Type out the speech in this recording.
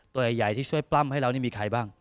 ตัวใหญ่ที่ช่วยปล้ำให้เรานี่มีใครบ้าง